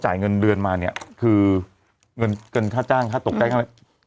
ทำงานครบ๒๐ปีได้เงินชดเฉยเลิกจ้างไม่น้อยกว่า๔๐๐วัน